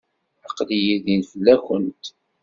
Aql-iyi din fell-awent.